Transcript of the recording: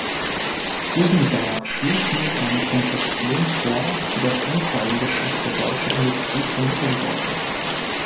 Hugenberg schlug nun eine Konzeption vor, die das Anzeigengeschäft der deutschen Industrie vermitteln sollte.